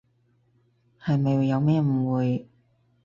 係咪有咩誤會？